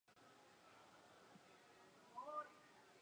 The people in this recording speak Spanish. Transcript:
Ahora vive en España.